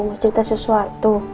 mau cerita sesuatu